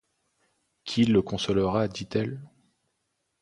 Qui le consolera ? dit-elle.